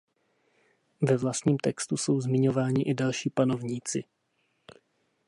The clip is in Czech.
Ve vlastním textu jsou zmiňováni i další panovníci.